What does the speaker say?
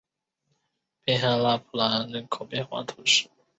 滨海拉普兰人口变化图示